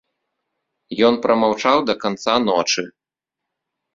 Ён прамаўчаў да канца ночы.